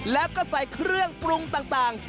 แล้วก็ใส่เครื่องปรุงต่าง